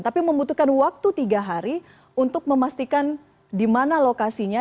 tapi membutuhkan waktu tiga hari untuk memastikan di mana lokasinya